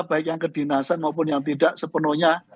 baik yang kedinasan maupun yang tidak sepenuhnya